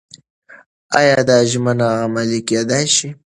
ایا دا ژمنه عملي کېدای شي؟